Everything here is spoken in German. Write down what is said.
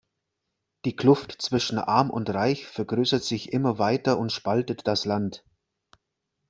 Die Kluft zwischen arm und reich vergrößert sich immer weiter und spaltet das Land.